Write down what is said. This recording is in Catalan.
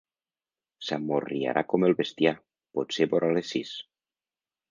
S'amorriarà com el bestiar, potser vora les sis.